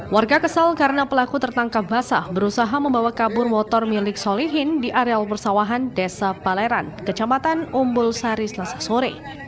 warga kesal karena pelaku tertangkap basah berusaha membawa kabur motor milik solihin di areal persawahan desa paleran kecamatan umbul sari selasa sore